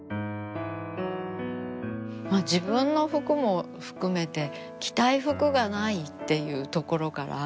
自分の服も含めて着たい服がないっていうところから。